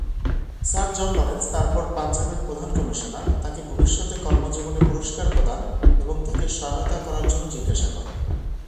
Sir John Lawrence, তারপর পাঞ্জাবের প্রধান কমিশনার, তাকে ভবিষ্যতে কর্মজীবনে পুরস্কার প্রদান এবং তাকে সহায়তা করার জন্য জিজ্ঞাসা করে।